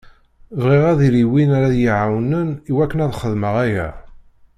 Bɣiɣ ad yili win ara yi-iɛawnen i wakken ad xedmeɣ aya.